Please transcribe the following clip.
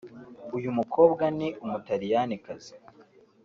uyu mukobwa ni umutaliyanikazi